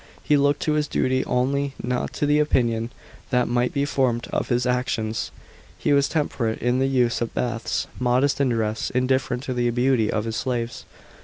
He looked to his duty only, not to the opinion that mi^ht be formed of his actions. He was temperate in the use of baths, modest in dress, indifferent to the beauty of his slaves.